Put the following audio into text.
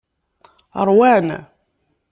Ṛwan.